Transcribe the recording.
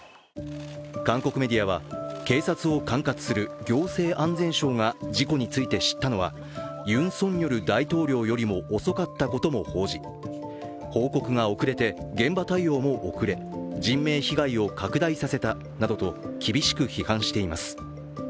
韓国メディアは、警察を管轄する行政安全相が事故について知ったのはユン・ソンニョル大統領よりも遅かったことも報じ報告が遅れて現場対応も遅れ、人命被害を拡大させたなどと厳しく批判しています。